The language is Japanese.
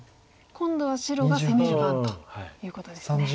今度は白が攻める番ということですね。